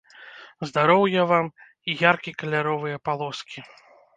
Здароўя вам, і яркі каляровыя палоскі!